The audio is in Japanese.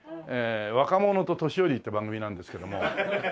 「若者と年寄り」って番組なんですけども。